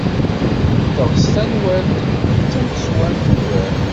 Teɣs tanwalt d tawesɛant ugar.